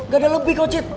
gak ada lebih kok cit